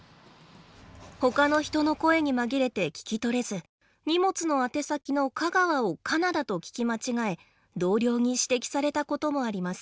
他の人の声に紛れて聞きとれず荷物の宛先の香川をカナダと聞き間違え同僚に指摘されたこともあります。